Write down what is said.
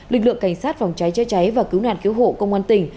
lực lượng cảnh sát phòng cháy chữa cháy và cứu nạn cứu hộ công an tỉnh